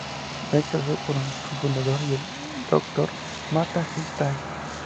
Fue encabezado por su fundador, el Dr. Mahathir.